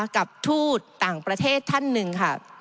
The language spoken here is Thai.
ทูตต่างประเทศท่านหนึ่งค่ะ